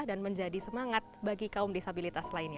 dan menjadi semangat bagi kaum disabilitas lainnya